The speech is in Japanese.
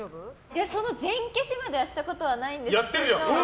全消しまではしたことはないんですけど。